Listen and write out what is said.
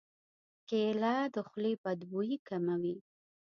کېله د خولې بد بوی کموي.